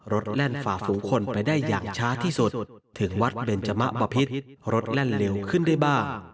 แล่นฝ่าฝูงคนไปได้อย่างช้าที่สุดถึงวัดเบนจมะบะพิษรถแล่นเร็วขึ้นได้บ้าง